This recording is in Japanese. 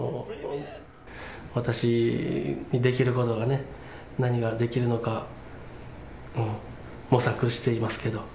私にできることがね、何ができるのか模索していますけれども。